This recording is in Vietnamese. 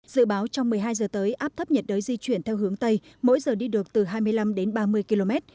dự báo trong một mươi hai giờ tới áp thấp nhiệt đới di chuyển theo hướng tây mỗi giờ đi được từ hai mươi năm đến ba mươi km